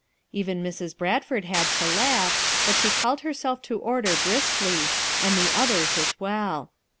Even Mrs. Bradford had to laugh, but she called herself to order briskly, and the others, as well.